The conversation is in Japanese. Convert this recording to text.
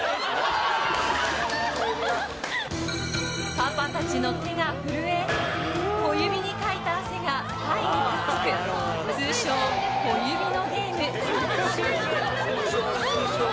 パパたちの手が震え小指にかいた汗が牌にくっつく通称、小指のゲーム。